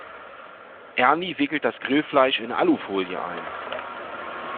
Ernie wickelt das Grillfleisch in Alufolie ein.